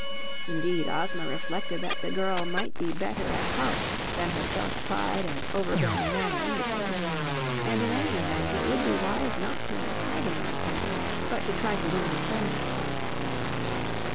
Indeed Ozma reflected that the girl might be better at heart than her self pride and overbearing manner indicated, and in any event it would be wise not to antagonize her but to try to win her friendship.